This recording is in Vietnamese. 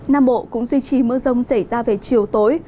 nam bộ cũng duy trì mưa rông xảy ra về chiều tối